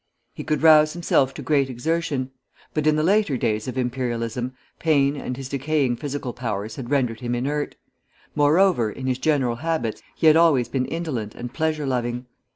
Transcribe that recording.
He could rouse himself to great exertion; but in the later days of Imperialism, pain and his decaying physical powers had rendered him inert; moreover, in his general habits he had always been indolent and pleasure loving.